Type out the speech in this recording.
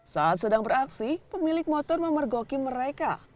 saat sedang beraksi pemilik motor memergoki mereka